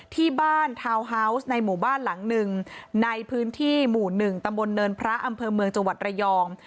ทาวน์ฮาวส์ในหมู่บ้านหลังหนึ่งในพื้นที่หมู่๑ตำบลเนินพระอำเภอเมืองจังหวัดระยอง